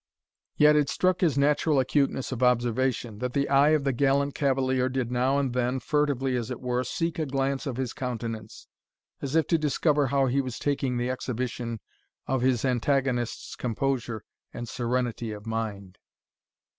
Yet it struck his natural acuteness of observation, that the eye of the gallant cavalier did now and then, furtively as it were, seek a glance of his countenance, as if to discover how he was taking the exhibition of his antagonist's composure and serenity of mind.